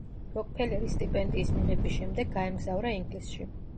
როკფელერის სტიპენდიის მიღების შემდეგ გაემგზავრა ინგლისში.